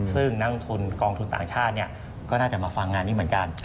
ซึ่งนักลงทุนกองทุนต่างชาติก็น่าจะมาฟังงานนี้เหมือนกัน